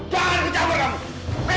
jangan mencabar kamu